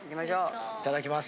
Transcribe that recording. いただきます。